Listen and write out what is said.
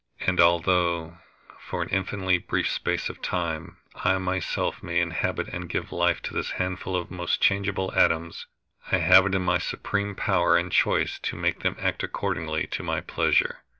And although, for an infinitely brief space of time, I myself may inhabit and give life to this handful of most changeable atoms, I have it in my supreme power and choice to make them act according to my pleasure.